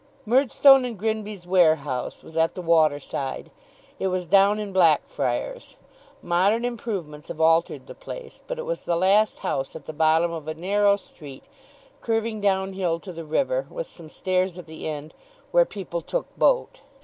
Murdstone and Grinby's warehouse was at the waterside. It was down in Blackfriars. Modern improvements have altered the place; but it was the last house at the bottom of a narrow street, curving down hill to the river, with some stairs at the end, where people took boat.